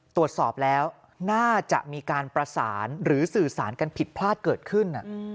ตรวจสอบแล้วน่าจะมีการประสานหรือสื่อสารกันผิดพลาดเกิดขึ้น